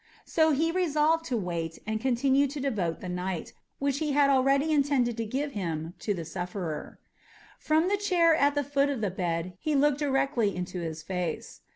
So he resolved to wait and continue to devote the night, which he had already intended to give him, to the sufferer. From the chair at the foot of the bed he looked directly into his face.